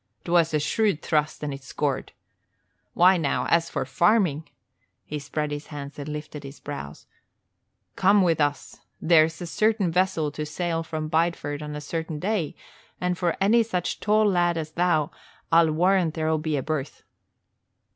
'Twas a shrewd thrust and it scored. Why, now, as for farming," he spread his hands and lifted his brows, "come with us. There's a certain vessel to sail from Bideford on a certain day, and for any such tall lad as thou I'll warrant there'll be a berth."